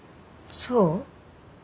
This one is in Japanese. そう？